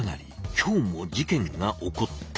今日も事件が起こった。